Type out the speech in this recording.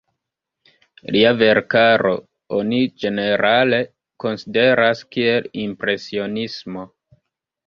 Lia verkaro oni ĝenerale konsideras kiel impresionismo.